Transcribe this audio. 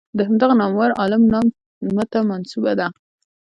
د همدغه نامور عالم نامه ته منسوبه ده.